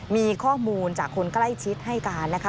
มีข้อมูลจากคนใกล้ชิดให้การนะคะ